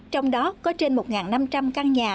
trong đó có trên một năm trăm linh căn nhà